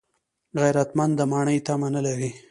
غیرتمند د ماڼۍ تمه نه لري